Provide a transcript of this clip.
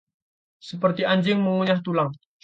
Seperti anjing mengunyah tulang